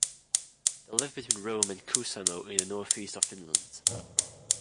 They live between Rome and Kuusamo, in the Northeast of Finland.